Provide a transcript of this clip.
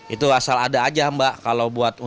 itu asal ada aja mbak kalau buat